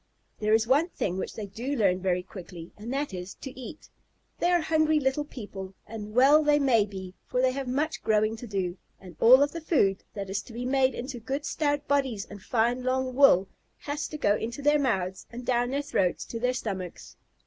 There is one thing which they do learn very quickly, and that is, to eat. They are hungry little people, and well they may be, for they have much growing to do, and all of the food that is to be made into good stout bodies and fine long wool has to go into their mouths and down their throats to their stomachs.